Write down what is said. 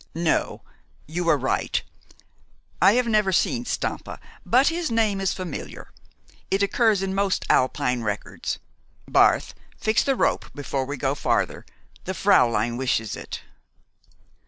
"No, you were right. I have never seen Stampa; but his name is familiar. It occurs in most Alpine records. Barth, fix the rope before we go farther. The fräulein wishes it."